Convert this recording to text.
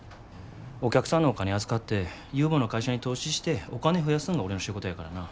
お客さんのお金預かって有望な会社に投資してお金増やすんが俺の仕事やからな。